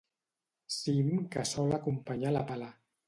Cim que sol acompanyar la pala.